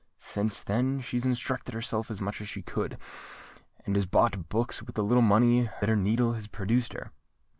Since then she's instructed herself as much as she could, and has bought books with the little money that her needle has produced her."